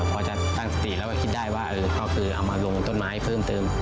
พอจะตั้งสติแล้วก็คิดได้ว่าก็คือเอามาลงต้นไม้เพิ่มเติม